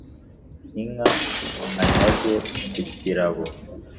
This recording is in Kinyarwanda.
Inka anyaze ku Cyirabo